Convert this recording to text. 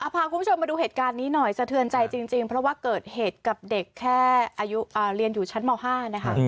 พาคุณผู้ชมมาดูเหตุการณ์นี้หน่อยสะเทือนใจจริงเพราะว่าเกิดเหตุกับเด็กแค่อายุเรียนอยู่ชั้นม๕นะคะ